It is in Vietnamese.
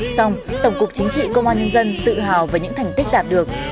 xong tổng cục chính trị công an nhân dân tự hào về những thành tích đạt được